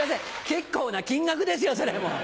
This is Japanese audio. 結構な金額ですよそれもう。